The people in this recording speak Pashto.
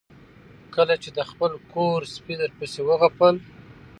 کله چې د خپل کور سپي درپسې وغپل